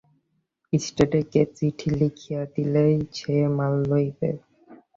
স্টার্ডিকে চিঠি লিখিয়া দিলেই সে মাল লইবে।